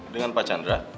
dengan pak chandra